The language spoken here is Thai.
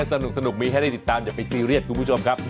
สนุกมีให้ได้ติดตามอย่าไปซีเรียสคุณผู้ชมครับ